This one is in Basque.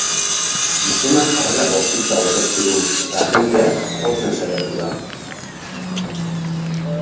Gizona jarrera bortitza aurkeztu du eta agenteak jotzen saiatu da.